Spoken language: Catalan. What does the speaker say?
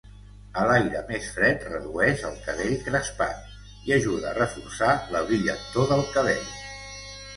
El aire més fred redueix el cabell crespat i ajuda a reforçar la brillantor del cabell.